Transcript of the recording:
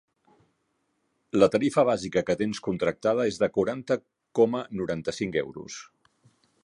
La tarifa bàsica que tens contractada és de quaranta coma noranta-cinc euros.